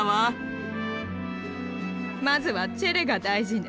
まずはチェレが大事ね。